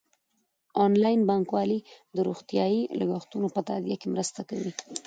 انلاین بانکوالي د روغتیايي لګښتونو په تادیه کې مرسته کوي.